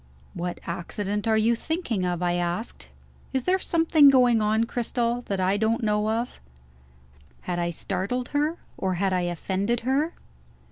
"What accident are you thinking of?" I asked. "Is there something going on, Cristel, that I don't know of?" Had I startled her? or had I offended her?